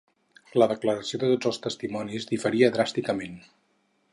La declaració de tots els testimonis diferia dràsticament.